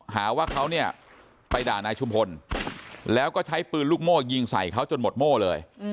หาว่าเขาเนี่ยไปด่านายชุมพลแล้วก็ใช้ปืนลูกโม่ยิงใส่เขาจนหมดโม่เลย